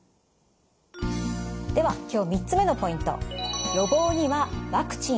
では今日３つ目のポイント。